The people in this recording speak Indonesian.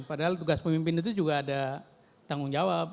padahal tugas pemimpin itu juga ada tanggung jawab